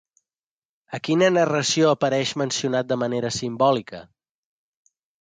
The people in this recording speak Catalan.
A quina narració apareix mencionat de manera simbòlica?